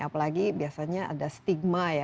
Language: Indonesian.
apalagi biasanya ada stigma ya